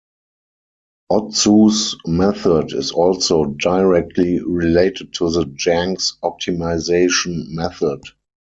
Otsu's method is also directly related to the Jenks optimization method.